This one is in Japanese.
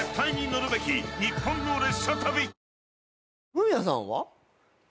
フミヤさんは？